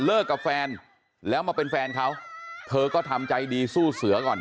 กับแฟนแล้วมาเป็นแฟนเขาเธอก็ทำใจดีสู้เสือก่อน